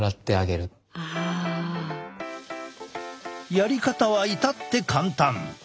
やり方は至って簡単！